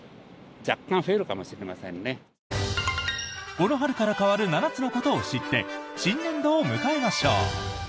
この春から変わる７つのことを知って新年度を迎えましょう！